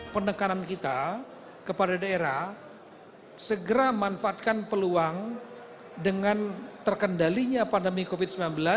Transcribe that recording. penekanan kita kepada daerah segera manfaatkan peluang dengan terkendalinya pandemi covid sembilan belas